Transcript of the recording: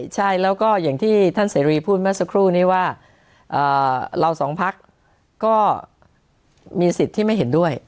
ใช่แล้วก็อย่างที่ท่านเสรีพูดเมื่อสักครู่นี้ว่าเราสองพักก็มีสิทธิ์ที่ไม่เห็นด้วย